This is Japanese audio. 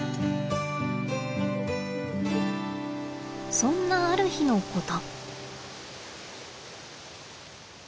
そんなある日のこと。